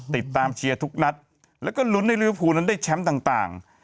ติดตามเชียร์ทุกนัดแล้วก็ลุ้นให้ริวภูนั้นได้แชมป์ต่าง